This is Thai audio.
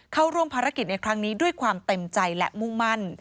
เข้าร่วมภารกิจในครั้งนี้ด้วยความเต็มใจและมุ่งมั่น